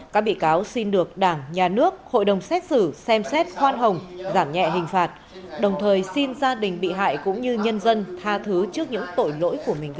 các bị cáo xin được đảng nhà nước hội đồng xét xử xem xét khoan hồng giảm nhẹ hình phạt đồng thời xin gia đình bị hại cũng như nhân dân tha thứ trước những tội lỗi của mình gây ra